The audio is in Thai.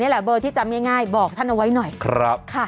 เบอร์ที่จำง่ายบอกท่านเอาไว้หน่อยครับค่ะ